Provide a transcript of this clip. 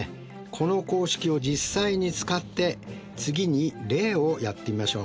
この公式を実際に使って次に例をやってみましょう。